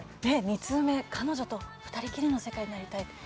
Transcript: ２通目彼女と２人きりの世界になりたい。